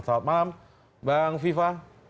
selamat malam bang viva